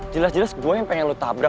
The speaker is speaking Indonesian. jelas jelas gue yang pengen lu tabrak